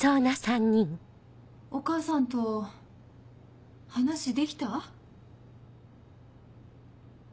お母さんと話できた？